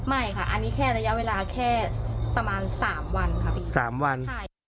ไม่ค่ะอันนี้แค่ระยะเวลาแค่ประมาณ๓วันค่ะพี่๓วัน